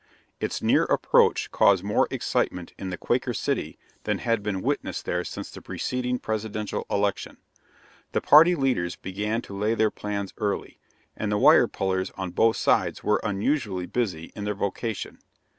Its near approach caused more excitement in the "Quaker City" than had been witnessed there since the preceding Presidential election. The party leaders began to lay their plans early, and the wire pullers on both sides were unusually busy in their vocation.